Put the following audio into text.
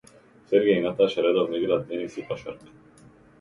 Сергеј и Наташа редовно играат тенис и кошарка.